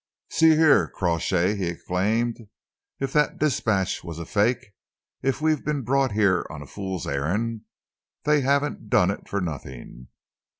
"See here, Crawshay," he exclaimed, "if that dispatch was a fake, if we've been brought here on a fool's errand, they haven't done it for nothing.